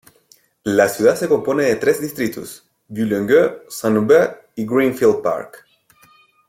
La ciudad se compone de tres distritos: Vieux-Longueuil, Saint-Hubert y Greenfield Park.